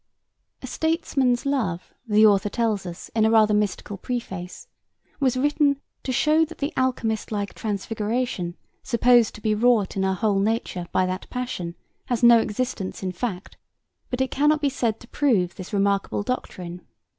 A Statesman's Love, the author tells us in a rather mystical preface, was written 'to show that the alchemist like transfiguration supposed to be wrought in our whole nature by that passion has no existence in fact,' but it cannot be said to prove this remarkable doctrine.